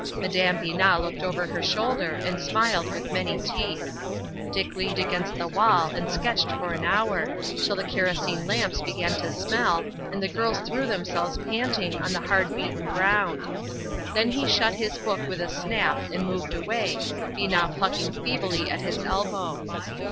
Madame Binat looked over her shoulder and smiled with many teeth. Dick leaned against the wall and sketched for an hour, till the kerosene lamps began to smell, and the girls threw themselves panting on the hard beaten ground. Then he shut his book with a snap and moved away, Binat plucking feebly at his elbow.